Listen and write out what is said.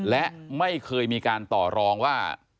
และไม่เคยมีการต่อรองว่า